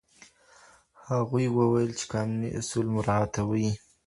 هغوی وويل چې قانوني اصول مراعتوي.